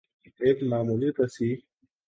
ایک معمولی تصحیح